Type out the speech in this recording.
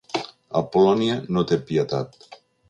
El Polònia no té pietat.